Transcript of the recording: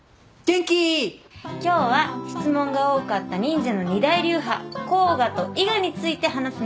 今日は質問が多かった忍者の二大流派甲賀と伊賀について話すね。